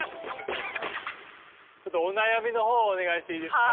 ちょっとお悩みの方をお願いしていいですか。